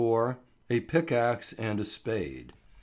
A PICKAXE AND A SPADE.